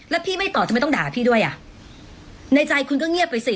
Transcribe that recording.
แล้วพี่ไม่ตอบทำไมต้องด่าพี่ด้วยอ่ะในใจคุณก็เงียบไปสิ